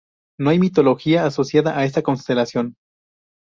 No hay mitología asociada a esta constelación.